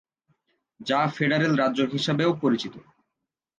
যা "ফেডারেল রাজ্য" হিসাবেও পরিচিত।